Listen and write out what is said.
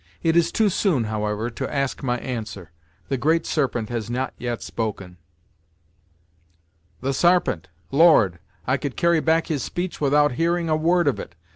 "It is too soon, however, to ask my answer; the Great Serpent has not yet spoken." "The Sarpent! Lord; I could carry back his speech without hearing a word of it!